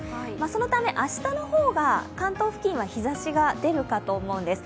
そのため、明日の方が関東付近は日ざしが出るかと思うんです。